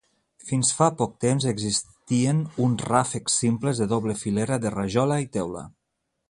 Fins fa poc temps existien uns ràfecs simples de doble filera de rajola i teula.